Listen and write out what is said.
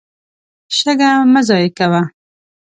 شګه مه ضایع کوه.